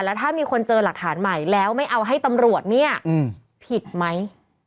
แล้วถ้ามีคนเจอหลักฐานใหม่แล้วไม่เอาให้ตำรวจเนี่ยผิดไหม